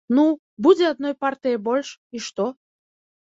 Ну, будзе адной партыяй больш, і што?